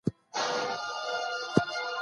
خلیفه د ټولني د رهبرۍ دنده درلوده.